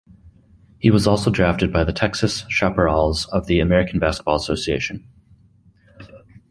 He was also drafted by the Texas Chaparrals of the American Basketball Association.